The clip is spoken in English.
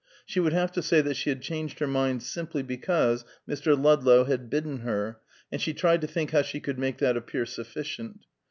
She would have to say that she had changed her mind simply because Mr. Ludlow had bidden her, and she tried to think how she could make that appear sufficient.